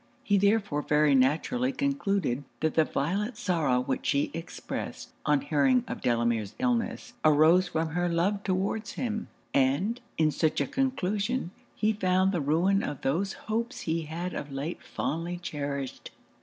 He therefore very naturally concluded that the violent sorrow which she expressed, on hearing of Delamere's illness, arose from her love towards him; and, in such a conclusion, he found the ruin of those hopes he had of late fondly cherished.